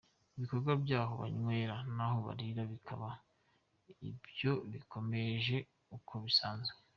Ibikorwa by’aho banywera n’aho barira bikaba byo bikomeje uko bisanzwe.